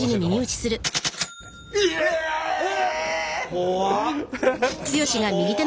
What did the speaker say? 怖っ！